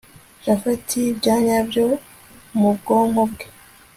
japhet byanyabyo mubwonko bwe